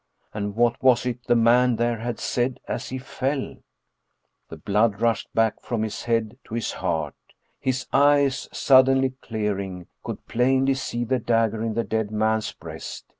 And what was it that the man there had said as he fell? The blood rushed back from his head to his heart. His eyes, suddenly clearing, could plainly see the dagger in the dead man's breast.